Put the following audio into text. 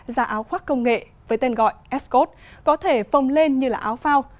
ra áo khoác công nghệ với tên gọi s code có thể phồng lên như là áo phao